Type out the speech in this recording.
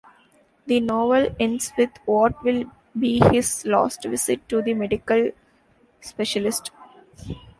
The novel ends with what will be his last visit to the medical specialist.